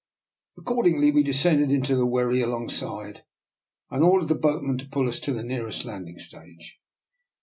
Accordingly we descended into the wherry alongside, and ordered the boatman to pull us to the nearest landing stage.